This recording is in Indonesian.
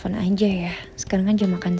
dan kemarin udah tebang tangankah kan